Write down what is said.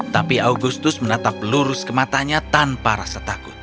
tapi augustus menatap lurus ke matanya tanpa rasa takut